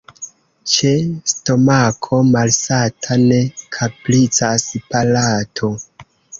Ĉe stomako malsata ne kapricas palato.